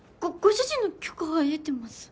主人の許可は得てます。